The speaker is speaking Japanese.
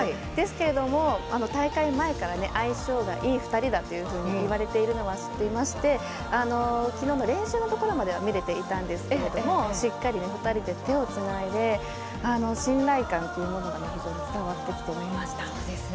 ですけれども大会前から相性がいい２人だと言われているのは知っていましてきのうの練習のところまでは見れていたんですけれどもしっかり２人で手をつないで信頼感というものが非常に伝わってきたと思いました。